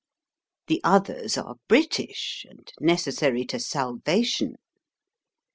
The others are British and necessary to salvation.